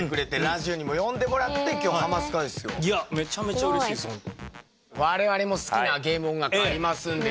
いやめちゃめちゃ嬉しいですホント。